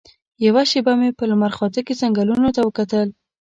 یوه شېبه مې په لمرخاته کې ځنګلونو ته وکتل.